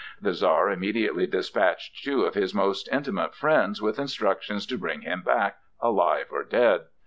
The Czar immediately despatched two of his most intimate friends with instructions to bring him back, alive or dead.